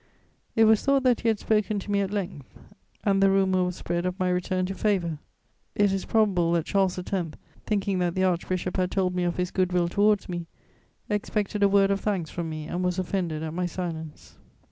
It was thought that he had spoken to me at length, and the rumour was spread of my return to favour. It is probable that Charles X., thinking that the Archbishop had told me of his good will towards me, expected a word of thanks from me and was offended at my silence.